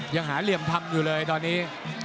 ยังหาเหลี่ยมทำอยู่เลยตอนนี้